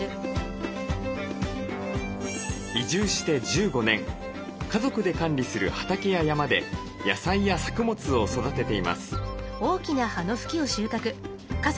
移住して１５年家族で管理する畑や山で野菜や作物を育てています。